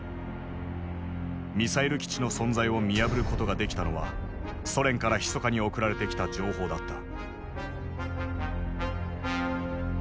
ミサイル基地の存在を見破ることができたのはソ連からひそかに送られてきた情報だった。